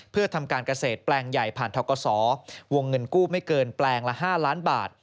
เพื่อทำการเกษตรแปลงใหญ่ผ่านทกศวงเงินกู้ไม่เกินแปลงละ๕ล้านบาท